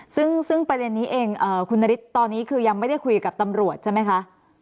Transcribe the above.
ซึ่งประเด็นนี้เองคุณนฤทธิ์ตอนนี้คือยังไม่ได้คุยกับตำรวจใช่ไหมคะ